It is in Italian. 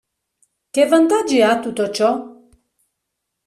Che vantaggi ha tutto ciò?